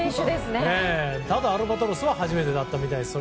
ただ、アルバトロスは初めてだったみたいです。